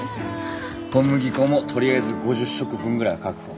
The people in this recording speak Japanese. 小麦粉もとりあえず５０食分ぐらいは確保。